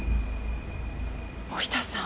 森田さん。